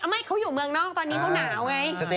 ไม่เขาอยู่เมืองนอกตอนนี้เขาหนาวไง